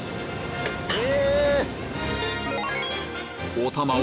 え！